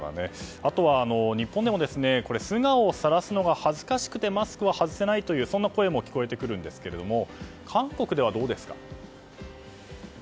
あとは日本でも素顔をさらすのが恥ずかしくてマスクを外せないという声も聞こえてくるんですけど韓国ではどうですか？